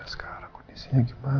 gak akan aku lepasin aku